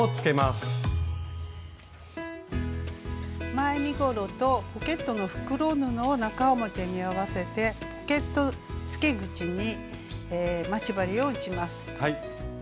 前身ごろとポケットの袋布を中表に合わせてポケットつけ口に待ち針を打ちます。